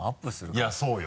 いやそうよ。